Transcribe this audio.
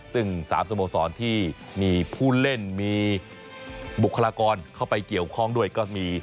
ซึ่ง๓สโมสรที่มีผู้เล่นมีบุคลากรเข้าไปเกี่ยวข้องด้วยก็มี